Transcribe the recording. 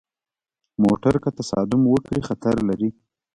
موټر که تصادم وکړي، خطر لري.